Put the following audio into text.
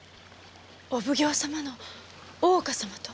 お奉行様の大岡様と？